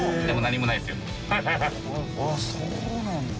あぁそうなんだ。